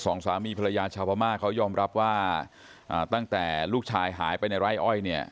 สองสามีภรรยาชาวพม่าเขายอมรับว่าอ่าตั้งแต่ลูกชายหายไปในไร่อ้อยเนี่ย